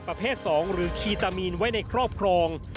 ประเภท๒หรือคีตามีนไว้ในครอบครอง